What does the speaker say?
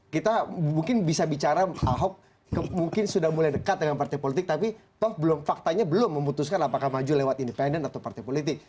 kita mungkin bisa bicara ahok mungkin sudah mulai dekat dengan partai politik tapi toh faktanya belum memutuskan apakah maju lewat independen atau partai politik